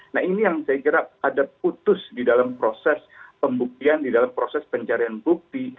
nah ini yang saya kira ada putus di dalam proses pembuktian di dalam proses pencarian bukti